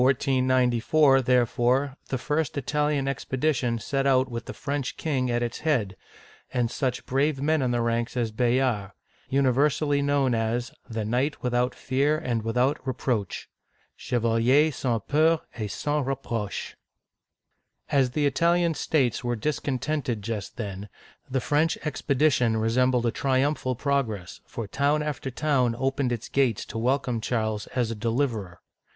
In 1494, therefore, the first Italian expedition set out with the French king at its head, and such brave men in the ranks as Bayard (ba yar'), — universally known as " the knight without fear and without reproach {chevalier sans peur et sans reproche\ As the Italian states were discontented just then, the French expedition resembled a triumphal progress, for town after town opened its gates to welcome Charles as a deliverer.